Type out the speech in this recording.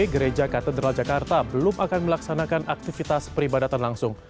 gereja katedral jakarta belum akan melaksanakan aktivitas peribadatan langsung